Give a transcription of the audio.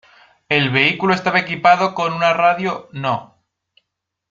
El vehículo estaba equipado con una radio No.